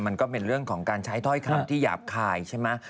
มันก็เป็นเรื่องของการใช้ถ้อยคำที่หยาบคายใช่ไหม